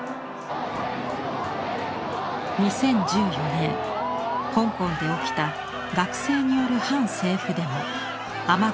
２０１４年香港で起きた学生による反政府デモ「雨傘運動」。